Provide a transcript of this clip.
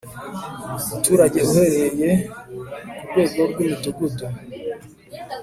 ku muturage uhereye ku rwego rw'imudugudu